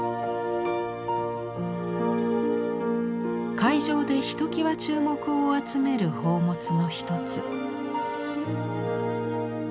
会場でひときわ注目を集める宝物の一つ